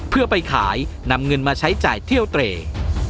เพื่อไปขายนำเงินมาใช้จ่ายเที่ยวเตร